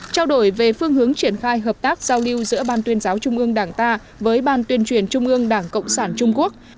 trao đổi về phương hướng triển khai hợp tác giao lưu giữa ban tuyên giáo trung ương đảng ta với ban tuyên truyền trung ương đảng cộng sản trung quốc